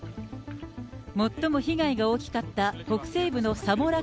最も被害が大きかった北西部のサモラ